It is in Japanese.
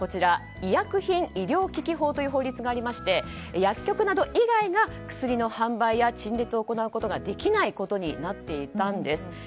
医薬品医療機器法という法律がありまして薬局など以外が薬の販売や陳列などができないことになっていたんです。